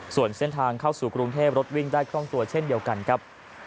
ส่วนเส้นทางเข้าสู่กรุงเทพรถวิ่งได้คล่องตัวเช่นเดียวกันครับ